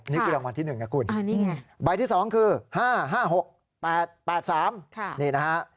นี่คือรางวัลที่๑นะคุณใบที่๒คือ๕๕๖๘๘๓นี่นะฮะ